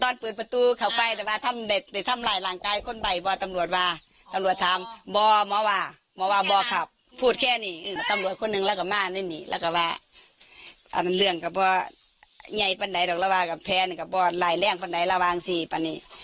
ยายปะไหนก็รัวว่ากับแผนกับบอตรายแรงปะไหนระม่างซี่ปะนี่